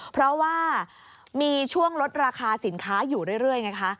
เพราะว่ามีช่วงลดราคาสินค้าอยู่เรื่อยไงคะ